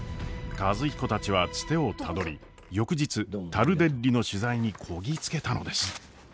和彦たちはツテをたどり翌日タルデッリの取材にこぎ着けたのです。